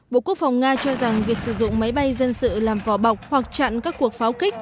bộ quốc phòng nga cho rằng việc sử dụng máy bay dân sự làm vỏ bọc hoặc chặn các cuộc pháo kích